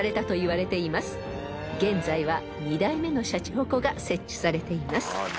［現在は２代目のしゃちほこが設置されています］